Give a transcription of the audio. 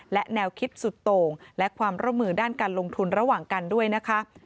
และแนวคิดสุดโต่งและความร่วมมือด้านการลงทุนระหว่างกันด้วยนะคะ